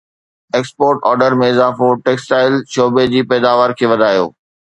export order ۾ اضافو textile شعبي جي پيداوار کي وڌايو